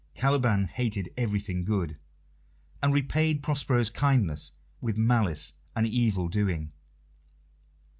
Caliban hated everything good, and repaid Prospero's kindness with malice and evil doing.